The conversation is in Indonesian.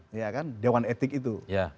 ya kan dewan etik itu